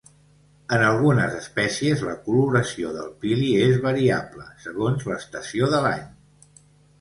En algunes espècies la coloració del pili és variable segons l'estació de l'any.